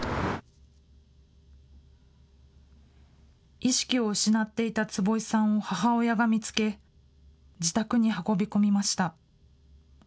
意識を失っていた坪井さんを母親が見つけ、自宅に運び込みました。